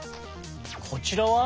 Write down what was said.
こちらは？